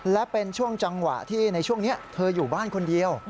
และเป็นช่วงจังหวะที่ในช่วงนี้เธออยู่บ้านคนเดียว